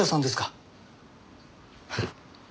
はい。